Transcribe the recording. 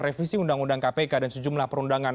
revisi undang undang kpk dan sejumlah perundangan